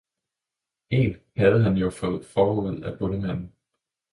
Én havde han jo fået forud af bondemanden.